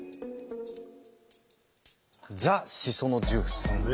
ザしそのジュース。